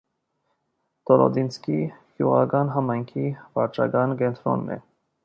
Դոլոտինսկի գյուղական համայնքի վարչական կենտրոնն է։